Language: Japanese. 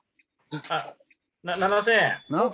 あっ７０００円。